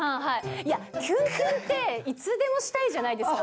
いや、きゅんきゅんって、いつでもしたいじゃないですか。